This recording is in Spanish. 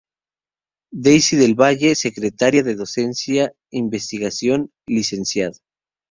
Daisy del Valle; Secretaria de Docencia-Investigación: Lic.